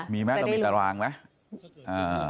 มีไหมเรามีตารางไหม